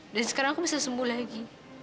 dan sekarang aku bisa sembuh lagi